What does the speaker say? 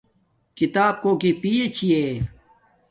کھیتاپ کوکی پیے چھݵ